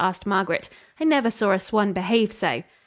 asked Margaret; "I never saw a swan behave so."